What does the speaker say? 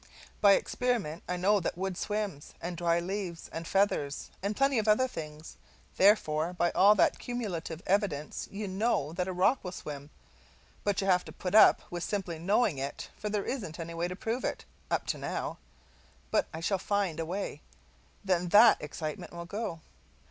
By experiment I know that wood swims, and dry leaves, and feathers, and plenty of other things; therefore by all that cumulative evidence you know that a rock will swim; but you have to put up with simply knowing it, for there isn't any way to prove it up to now. But I shall find a way then THAT excitement will go.